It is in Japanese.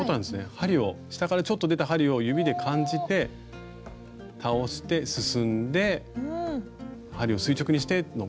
針を下からちょっと出た針を指で感じて倒して進んで針を垂直にしてのこれの繰り返しです。